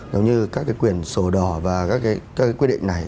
giống như các cái quyền sổ đỏ và các cái quy định này